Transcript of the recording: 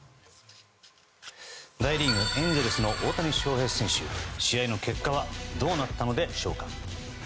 メジャーリーグエンゼルスの大谷翔平選手試合の結果はどうなったのでしょうか。